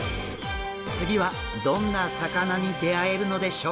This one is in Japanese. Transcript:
次はどんな魚に出会えるのでしょうか？